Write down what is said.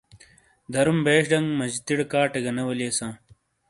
درُوم بیش ڑنگ مجِیتڑےکاٹے گہ نے والیساں۔